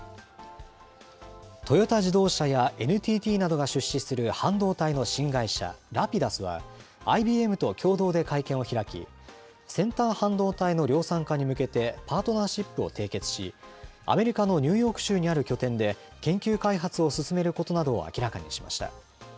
トヨタ自動車やＮＴＴなどが出資する半導体の新会社、Ｒａｐｉｄｕｓは、ＩＢＭと共同で会見を開き、先端半導体の量産化に向けて、パートナーシップを締結し、アメリカのニューヨーク州にある拠点で、研究開発を進めることなどを明らかにしました。